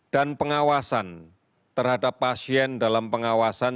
dan pengawasan terhadap pasien dalam pengawasan